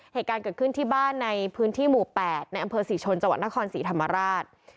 เหตุการณ์เกิดขึ้นที่บ้านในพื้นที่หมู่๘ในอำเภอศรีชนจังหวัดนครศรีธรรมราช